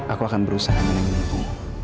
aku akan berusaha menanggung ibu